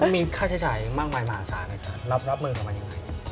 มีค่าใช้จ่ายมากมายมาสานเลยค่ะรับมือของมันยังไง